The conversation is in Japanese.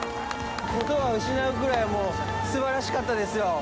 言葉を失うぐらい、もうすばらしかったですよ！